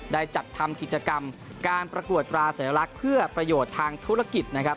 ได้จัดทำกิจกรรมการประกวดตราสัญลักษณ์เพื่อประโยชน์ทางธุรกิจนะครับ